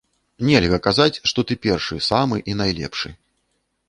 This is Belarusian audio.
Нельга казаць, што ты першы, самы і найлепшы.